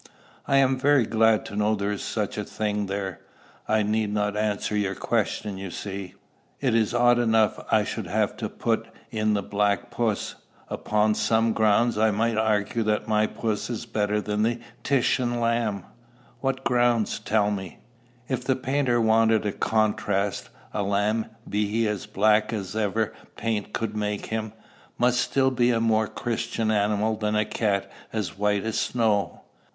"I am very glad to know there is such a thing there. I need not answer your question, you see. It is odd enough I should have put in the black puss. Upon some grounds I might argue that my puss is better than Titian's lamb." "What grounds? tell me." "If the painter wanted a contrast, a lamb, be he as black as ever paint could make him, must still be a more Christian animal than a cat as white as snow.